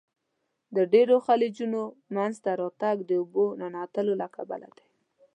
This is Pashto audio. د ډیرو خلیجونو منځته راتګ د اوبو ننوتلو له کبله دی.